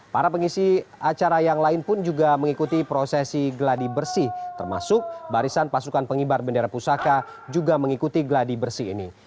para pengisi acara yang lain pun juga mengikuti prosesi geladi bersih termasuk barisan pasukan pengibar bendera pusaka juga mengikuti geladi bersih ini